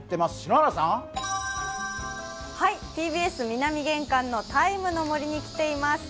ＴＢＳ南玄関の「ＴＩＭＥ，の森」に来ています。